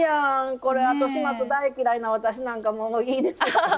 これ後始末大嫌いな私なんかもいいです。